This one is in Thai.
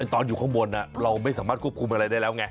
ตอนอยู่ข้างบนเราไม่สามารถควบคุมอะไรได้แล้วไง